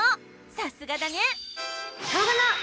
さすがだね！